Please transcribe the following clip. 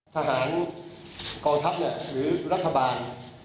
ทหารกองทัพหรือรัฐบาล